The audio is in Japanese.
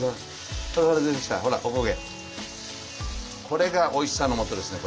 これがおいしさのもとですね